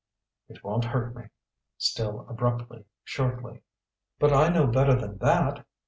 "It won't hurt me," still abruptly, shortly. "But I know better than that!